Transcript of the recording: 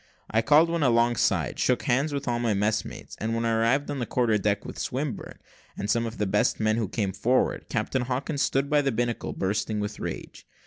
I called one alongside, shook hands with all my messmates, and when I arrived on the quarter deck, with Swinburne, and some of the best men, who came forward, Captain Hawkins stood by the binnacle, bursting with rage.